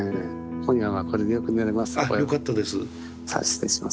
今夜はこれでよく寝れます。